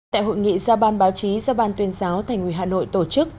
tại hội nghị giao ban báo chí do ban tuyên giáo thành ủy hà nội tổ chức